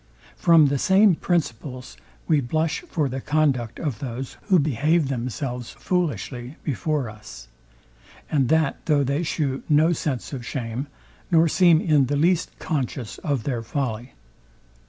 From the same principles we blush for the conduct of those, who behave themselves foolishly before us; and that though they shew no sense of shame, nor seem in the least conscious of their folly.